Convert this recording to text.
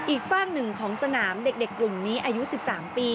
ฝากหนึ่งของสนามเด็กกลุ่มนี้อายุ๑๓ปี